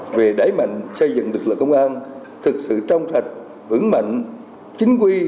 về đáy mạnh xây dựng lực lượng công an thực sự trong thạch vững mạnh chính quy